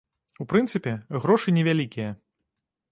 У прынцыпе, грошы невялікія.